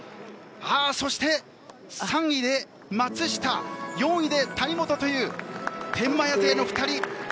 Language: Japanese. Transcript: そして３位で松下４位で谷本という天満屋勢の２人。